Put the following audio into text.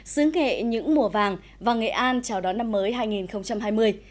sướng nghệ những mùa vàng và nghệ an chào đón năm mới hai nghìn hai mươi